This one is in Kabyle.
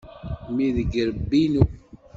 Mmi deg yirebbi-inu.